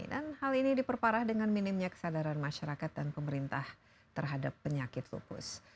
dan hal ini diperparah dengan minimnya kesadaran masyarakat dan pemerintah terhadap penyakit lupus